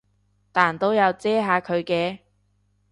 但都有遮下佢嘅